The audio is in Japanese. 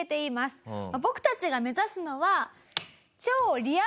僕たちが目指すのは。